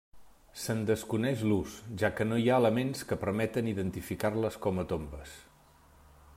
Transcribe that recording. Se'n desconeix l'ús, ja que no hi ha elements que permeten identificar-les com a tombes.